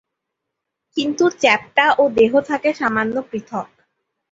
কিন্তু চ্যাপ্টা ও দেহ থেকে সামান্য পৃথক।